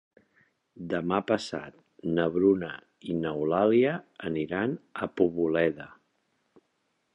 Demà passat na Bruna i n'Eulàlia aniran a Poboleda.